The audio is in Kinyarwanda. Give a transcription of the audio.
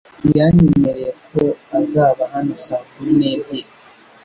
Yanyemereye ko azaba hano saa kumi n'ebyiri.